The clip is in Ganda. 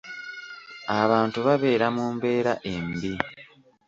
Abantu babeera mu mbeera embi.